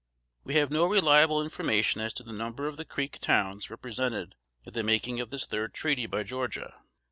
We have no reliable information as to the number of the Creek towns represented at the making of this third treaty by Georgia.